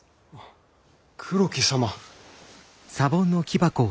黒木様。